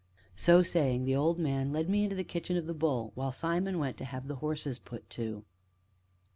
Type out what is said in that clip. So saying, the old man led me into the kitchen of "The Bull," while Simon went to have the horses put to.